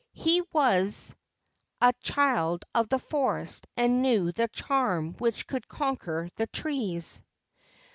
He was a child of the forest and knew the charm which could conquer the trees.